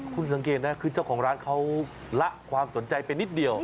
คุณสังเกตนะคือเจ้าของร้านเขาละความสนใจไปนิดเดียว